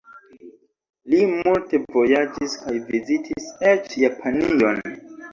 Li multe vojaĝis kaj vizitis eĉ Japanion.